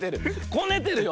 こねてるよ。